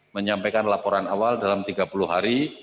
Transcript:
menyampaikan laporan awal dalam tiga puluh hari